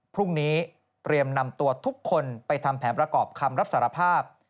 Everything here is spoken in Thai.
พรุ่งนี้เตรียมนำตัวทุกคนไปทำแผนประกอบคำรับสารภาพ